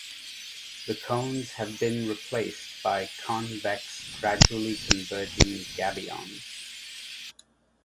The cones have been replaced by convex gradually converging gabions.